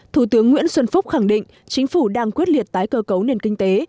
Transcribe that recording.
thủ tướng nguyễn xuân phúc khẳng định chính phủ đang quyết liệt tái cơ cấu nền kinh tế